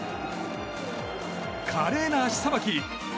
華麗な足さばき。